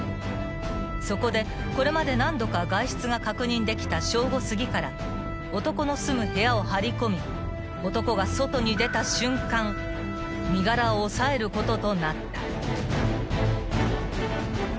［そこでこれまで何度か外出が確認できた正午すぎから男の住む部屋を張り込み男が外に出た瞬間身柄を押さえることとなった］